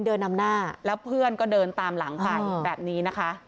เดินนำหน้าแล้วเพื่อนก็เดินตามหลังไปแบบนี้นะคะ